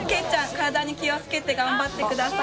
体に気を付けて頑張ってください。